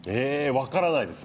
分からないです。